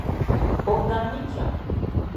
O gammi chɛŋ.